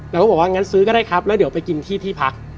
เราก็บอกว่างั้นซื้อก็ได้ครับแล้วเดี๋ยวไปกินที่ที่พัก